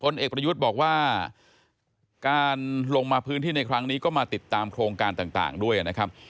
เอกประยุทธ์บอกว่าการลงมาพื้นที่ในครั้งนี้ก็มาติดตามโครงการต่างด้วยนะครับ